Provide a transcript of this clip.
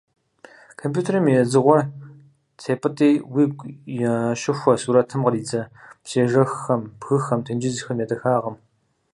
Компьютерым и «дзыгъуэр» тепӀытӀи, уигу ящыхуэ сурэтым къридзэ псыежэххэм, бгыхэм, тенджызхэм я дахагъым.